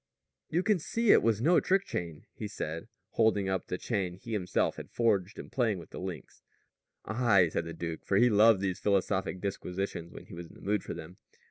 "You can see it was no trick chain," he said, holding up the chain he himself had forged and playing with the links. "Aye," said the duke, for he loved these philosophic disquisitions, when he was in the mood for them.